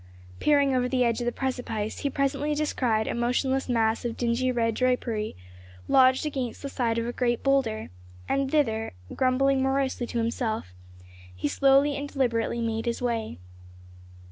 Peering over the edge of the precipice he presently descried a motionless mass of dingy red drapery, lodged against the side of a great boulder, and thither, grumbling morosely to himself, he slowly and deliberately made his way.